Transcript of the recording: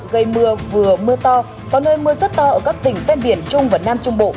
gây mưa vừa mưa to có nơi mưa rất to ở các tỉnh ven biển trung và nam trung bộ